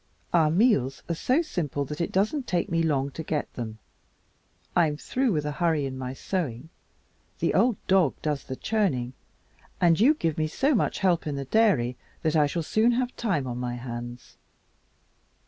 Our meals are so simple that it doesn't take me long to get them. I'm through with the hurry in my sewing, the old dog does the churning, and you give me so much help in the dairy that I shall soon have time on my hands.